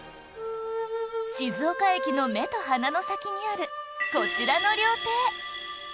静岡駅の目と鼻の先にあるこちらの料亭